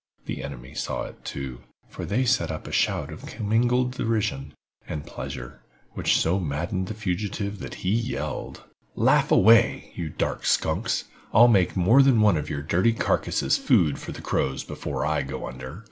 The enemy saw it, too, for they set up a shout of commingled derision and pleasure, which so maddened the fugitive that he yelled: "Laugh away, you darn skunks. I'll make more than one of your dirty carcasses food for the crows before I go under."